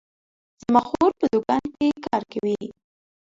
زما خور په دوکان کې کار کوي